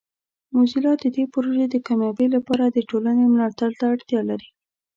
موزیلا د دې پروژې د کامیابۍ لپاره د ټولنې ملاتړ ته اړتیا لري.